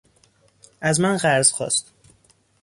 از من قرض خواست.